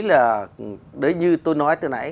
là đấy như tôi nói từ nãy